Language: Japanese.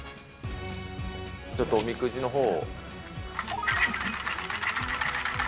ちょっとおみくじのほう。